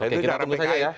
itu cara pki ya